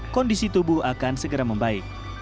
kondisi tubuh akan segera membaik